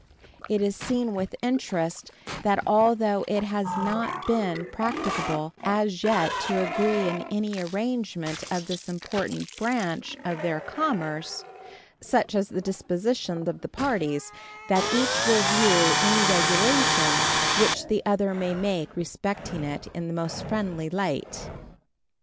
It is seen with interest that although it has not been practicable as yet to agree in any arrangement of this important branch of their commerce, such is the disposition of the parties that each will view any regulations which the other may make respecting it in the most friendly light.